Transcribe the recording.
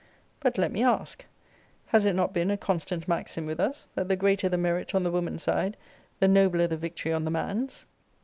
But let me ask, Has it not been a constant maxim with us, that the greater the merit on the woman's side, the nobler the victory on the man's?